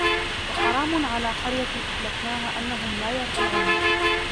وحرام على قرية أهلكناها أنهم لا يرجعون